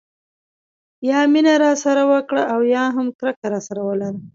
یا مینه راسره وکړه او یا هم کرکه راسره ولره.